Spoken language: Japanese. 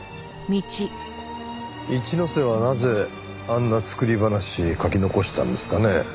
一之瀬はなぜあんな作り話書き残したんですかね？